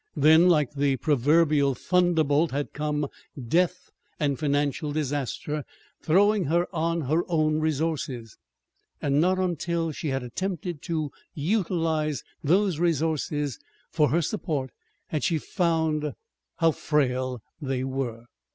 Then, like the proverbial thunderbolt, had come death and financial disaster, throwing her on her own resources. And not until she had attempted to utilize those resources for her support, had she found how frail they were.